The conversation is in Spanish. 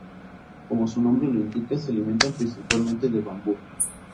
Como su nombre lo indica, se alimentan principalmente de bambú.